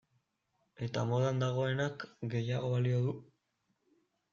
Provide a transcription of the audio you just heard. Eta modan dagoenak gehiago balio du.